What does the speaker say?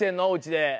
おうちで。